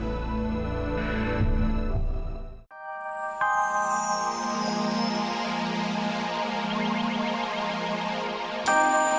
bukan kan bu